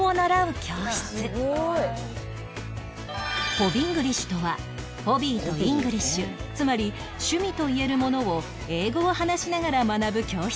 ホビングリッシュとはホビーとイングリッシュつまり趣味といえるものを英語を話しながら学ぶ教室なんです